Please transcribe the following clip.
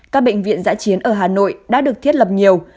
các bệnh viện giã chiến ở hà nội đã được thiết lập nhiều